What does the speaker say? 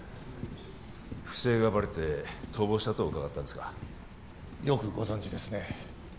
不正がバレて逃亡したと伺ったんですがよくご存じですね